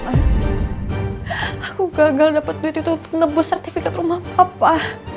aku gagal dapet duit itu untuk nebus sertifikat rumah papa